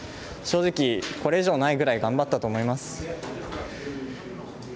正直、これ以上ないぐらい頑張ったと思います。